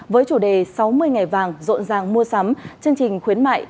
với chủ đề sáu mươi ngày vàng rộn ràng mua sắm chương trình khuyến mại